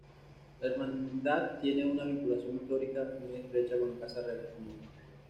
La Hermandad tiene una vinculación histórica muy estrecha con la Casa Real Española.